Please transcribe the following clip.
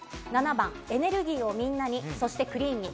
７番、エネルギーをみんなに、そしてクリーンに。